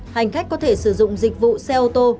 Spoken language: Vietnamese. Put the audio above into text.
hành khách có thể sử dụng dịch vụ xe ô tô